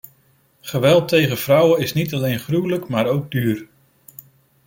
Geweld tegen vrouwen is niet alleen gruwelijk maar ook duur.